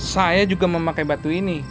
saya juga memakai batu ini